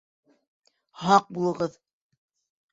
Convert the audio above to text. Һаҡ булығыҙ!